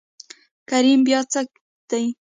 کريمه بيا څه دي.